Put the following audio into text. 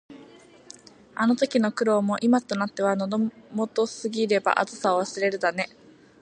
あの時の苦労も、今となっては「喉元過ぎれば熱さを忘れる」だね。